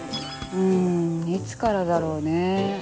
うんいつからだろうねぇ。